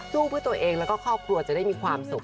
เพื่อตัวเองแล้วก็ครอบครัวจะได้มีความสุข